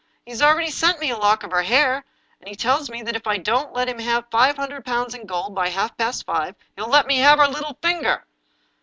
He's already sent me a lock of her hair, and he tells me that if I don't let him have five hundred pounds in gold by half past five he'll let me have her little finger."